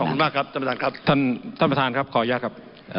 ขอบคุณมากครับท่านประธานครับท่านประธานครับขออนุญาตครับ